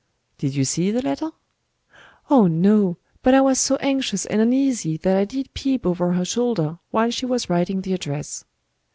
'" "Did you see the letter?" "Oh, no! But I was so anxious and uneasy that I did peep over her shoulder while she was writing the address."